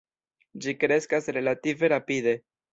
Ĝi kreskas relative rapide.